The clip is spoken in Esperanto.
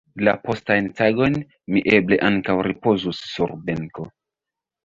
La postajn tagojn mi eble ankaŭ ripozus sur benko.